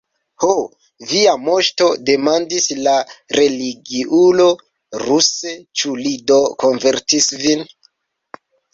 Ho, via moŝto, demandis la religiulo ruse, ĉu li do konvertis vin?